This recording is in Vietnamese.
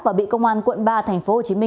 và bị công an quận ba tp hcm